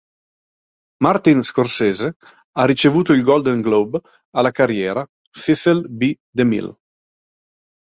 Martin Scorsese ha ricevuto il Golden Globe alla carriera Cecil B. DeMille.